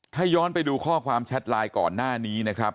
ถ้าย้อนไปดูข้อความแชทไลน์ก่อนหน้านี้นะครับ